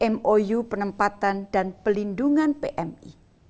mou penempatan dan pelindungan pmi